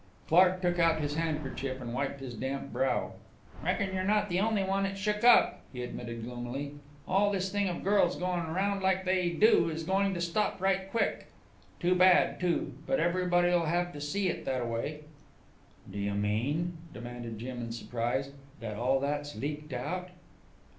Clark took out his handkerchief and wiped his damp brow. "Reckon you're not the only one it shook up," he admitted gloomily. "All this thing of girls going round like they do is going to stop right quick. Too bad, too, but everybody'll have to see it thataway." "Do you mean," demanded Jim in surprise, "that all that's leaked out?"